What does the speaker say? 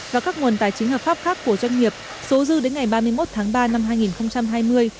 và các nguồn tài chính hợp pháp khác của doanh nghiệp số dư đến ngày ba mươi một tháng ba năm hai nghìn hai mươi